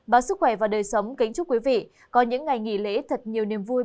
báo sức khỏe và đời sống kính chúc quý vị có những ngày nghỉ lễ thật nhiều niềm vui